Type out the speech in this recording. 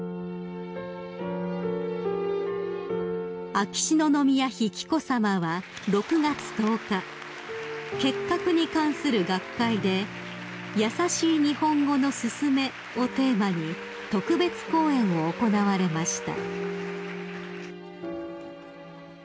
［秋篠宮妃紀子さまは６月１０日結核に関する学会で「『やさしい日本語』のすすめ」をテーマに特別講演を行われました］